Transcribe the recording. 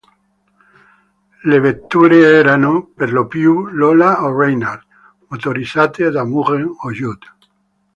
Le vetture erano, per lo più, Lola o Reynard, motorizzate da Mugen o Judd.